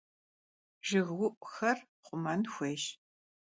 Jjıgıu'uxer xhumen xuêyş.